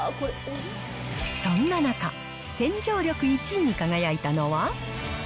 そんな中、洗浄力１位に輝いたのは。